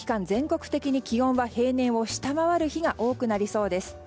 全国的に気温は平年を下回る日が多くなりそうです。